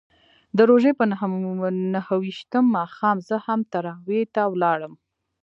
د روژې پر نهه ویشتم ماښام زه هم تراویحو ته ولاړم.